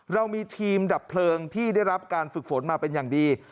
เรามีทีมดับเพลิงที่ได้รับการฝึกฝนมาเป็นอย่างดี